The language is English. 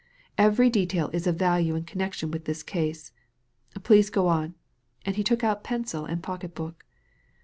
Every detail is of value in connection with this case. Please go on "— and he took out pencil and pocket book.